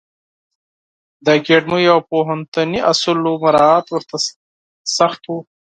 د اکاډمیو او پوهنتوني اصولو مرعات ورته سخت و.